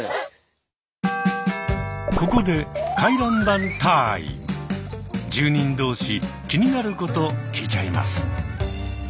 ここで住人同士気になること聞いちゃいます。